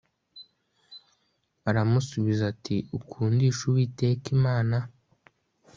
aramusubiza ati ukundishe uwiteka imana